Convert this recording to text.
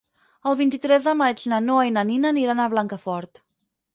El vint-i-tres de maig na Noa i na Nina aniran a Blancafort.